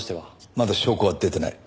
まだ証拠は出てない。